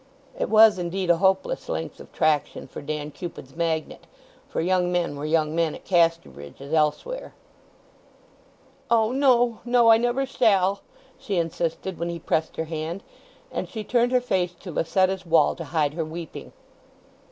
It was, indeed, a hopeless length of traction for Dan Cupid's magnet; for young men were young men at Casterbridge as elsewhere. "O! no, no—I never shall," she insisted, when he pressed her hand; and she turned her face to Lucetta's wall to hide her weeping.